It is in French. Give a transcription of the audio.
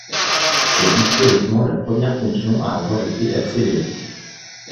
C'est historiquement la première fonction à avoir été accélérée.